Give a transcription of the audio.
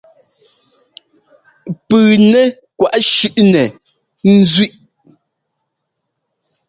Pʉʉnɛ́ kwaʼ shúnɛ ɛ́nzʉ́ʼ.